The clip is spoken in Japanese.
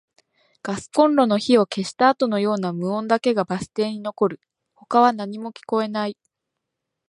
ガスコンロの火を消したあとのような無音だけがバス停に残る。他は何も聞こえない。